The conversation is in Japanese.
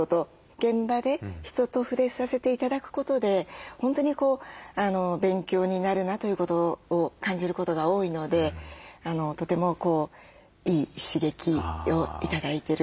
現場で人と触れさせて頂くことで本当に勉強になるなということを感じることが多いのでとてもいい刺激を頂いてるなと思います。